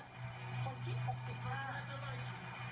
สองคนโชคดีนะครับ